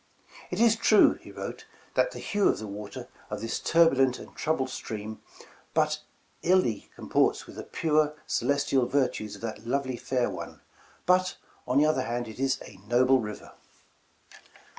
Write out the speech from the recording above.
"It is true," he wrote, "that the hue of the water of this turbulent and troubled stream but illy comports with the pure, celestial virtues of that lovely fair one, but on the other hand, it is a noble river.